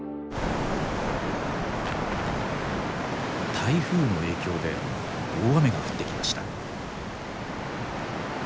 台風の影響で大雨が降ってきました。